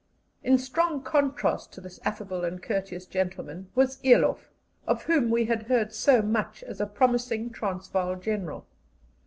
In strong contrast to this affable and courteous gentleman was Eloff, of whom we had heard so much as a promising Transvaal General.